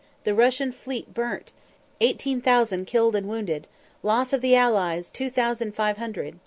The Russian fleet burnt! Eighteen thousand killed and wounded. Loss of the Allies, two thousand five hundred.